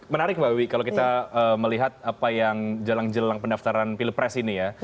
menarik mbak wiwi kalau kita melihat apa yang jelang jelang pendaftaran pilpres ini ya